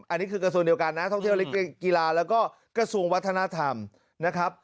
อันนี้คือกระทรวงเดียวกันนะท่องเที่ยวเล็กกีฬาแล้วก็กระทรวงวัฒนธรรมนะครับ